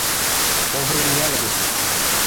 Овремйӓл гӹц...